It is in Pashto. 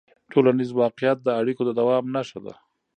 ټولنیز واقیعت د اړیکو د دوام نښه ده.